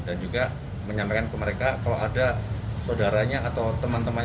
dan juga menyampaikan ke mereka kalau ada saudaranya atau teman temannya